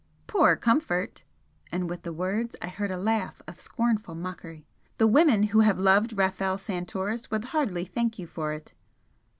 "Poor comfort!" and with the words I heard a laugh of scornful mockery "The women who have loved Rafel Santoris would hardly thank you for it!"